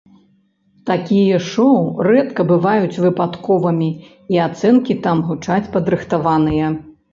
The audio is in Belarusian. Такія шоу рэдка бываюць выпадковымі і ацэнкі там гучаць падрыхтаваныя.